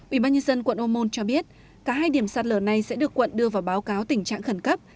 ubnd quận ô môn cho biết cả hai điểm sát lở này sẽ được quận đưa vào báo cáo tình trạng khẩn cấp